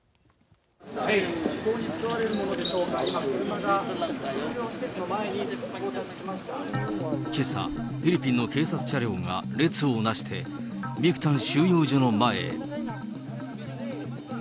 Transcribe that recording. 移送に使われるものでしょうか、今、けさ、フィリピンの警察車両が列を成してビクタン収容所の前へ。